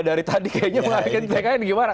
dari tadi kayaknya melahirkan tkn gimana